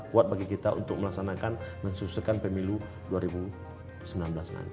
buat bagi kita untuk melaksanakan dan susulkan pemilu dua ribu sembilan belas nanti